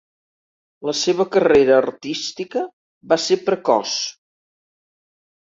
La seva carrera artística va ser precoç.